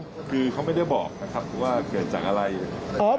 คือเขาไม่ได้บอกนะครับว่าเกิดจากอะไรนะครับ